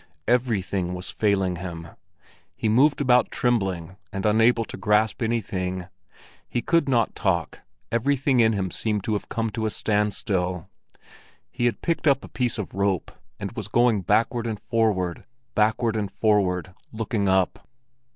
Everything was failing him. He moved about trembling and unable to grasp anything; he could not talk, everything in him seemed to have come to a standstill. He had picked up a piece of rope, and was going backward and forward, backward and forward, looking up.